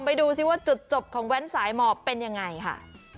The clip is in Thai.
ดูสิว่าจุดจบของแว้นสายหมอบเป็นยังไงค่ะ